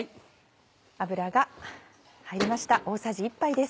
油が入りました。